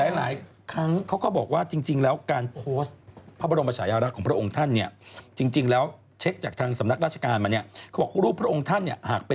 หลายครั้งเขาก็บอกว่าจริงแล้วการโพสต์ภาพบรมประชายรกษ์ของพระองค์ท่านเนี่ย